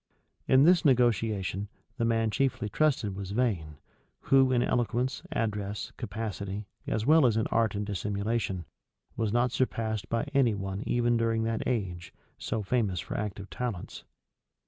300 In this negotiation, the man chiefly trusted was Vane, who, in eloquence, address, capacity, as well as in art and dissimulation, was not surpassed by any one even during that age, so famous for active talents.